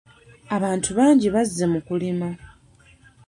Abantu bangi bazze mu kulima.